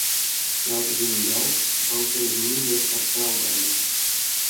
Jout de wyn him del, dan kin de mûnder wat seil bylizze.